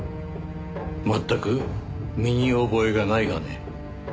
全く身に覚えがないがね。